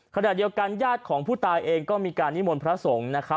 ขณะเดียวกันญาติของผู้ตายเองก็มีการนิมนต์พระสงฆ์นะครับ